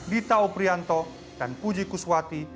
dita oprianto dan puji kuswati